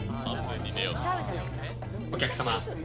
お客様。